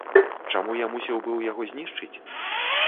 Чаму я мусіў быў яго знішчыць?